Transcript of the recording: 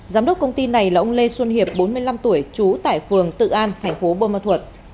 giám đốc công ty này là ông lê xuân hiệp bốn mươi năm tuổi trú tại phường tự an thành phố bô ma thuật